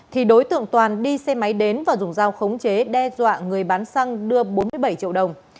thì đối tượng toàn đi xe máy đến và dùng dao khống chế đe dọa người bán xăng đưa bốn mươi bảy triệu đồng